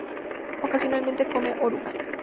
Ocasionalmente come orugas.